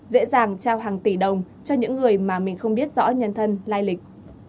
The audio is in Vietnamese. dễ dàng trao hàng tỷ đồng cho những người mà mình không biết rõ nhân thân lai lịch